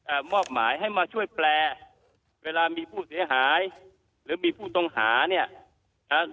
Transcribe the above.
มอบหมายให้มาช่วยแปลเวลามีผู้เสียหายหรือมีผู้ต้องหาเนี้ยอ่า